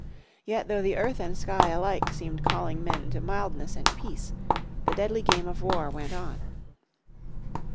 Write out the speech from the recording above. Yet though the earth and sky alike seemed calling men to mildness and peace the deadly game of war went on.